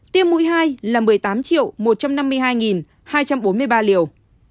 tiêm mũi hai là một mươi tám một trăm năm mươi hai hai trăm bốn mươi ba liều